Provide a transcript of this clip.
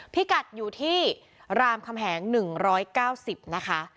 พิกัดอยู่ที่รามคำแหง๑๙๐นะคะ